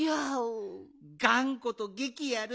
がんことげきやる。